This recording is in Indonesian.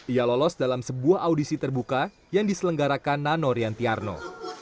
ia lolos dalam sebuah audisi terbuka yang diselenggarakan nano riantiarno